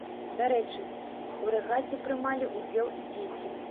Дарэчы, у рэгаце прымалі ўдзел і дзеці.